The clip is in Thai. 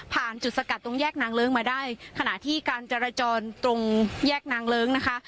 จุดสกัดตรงแยกนางเลิ้งมาได้ขณะที่การจราจรตรงแยกนางเลิ้งนะคะ